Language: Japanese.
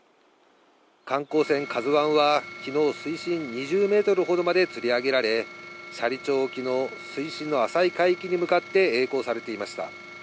観光船、ＫＡＺＵＩはきのう、水深２０メートルほどまでつり上げられ、斜里町沖の水深の浅い海域に向かってえい航されていました。